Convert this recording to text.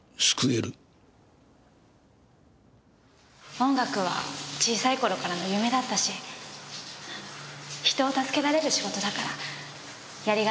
音楽は小さい頃からの夢だったし人を助けられる仕事だからやりがいがあるの。